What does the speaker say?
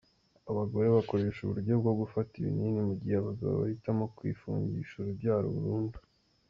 Abagore bakoresha uburyo bwo gufata ibinini mu gihe abagabo bahitamo kwifungisha urubyaro burundu.